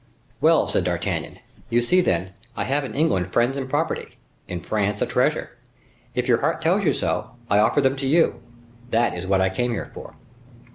"Well!" said D'Artagnan, "you see, then, I have in England friends and property, in France a treasure. If your heart tells you so, I offer them to you. That is what I came here for."